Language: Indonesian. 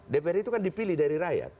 dpr itu kan dipilih dari rakyat